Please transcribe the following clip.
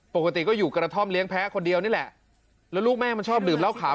ปกติก็อยู่กระท่อมเลี้ยแพ้คนเดียวนี่แหละแล้วลูกแม่มันชอบดื่มเหล้าขาว